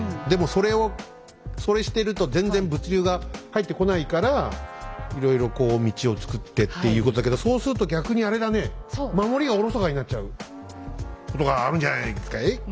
でもそれをそれしてると全然物流が入ってこないからいろいろこう道をつくってっていうことだけどそうすると逆にあれだね守りがおろそかになっちゃうことがあるんじゃないですかい？